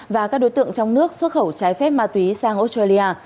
và các đối tượng trong nước xuất khẩu trái phép ma túy sang australia